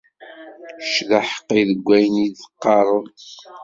Kečč d aḥeqqi deg wayen i d-teqqareḍ.